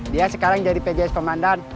dia sekarang jadi pjs komandan